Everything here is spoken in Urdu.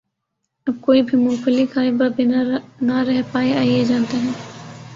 اب کوئی بھی مونگ پھلی کھائے بنا نہ رہ پائے آئیے جانتے ہیں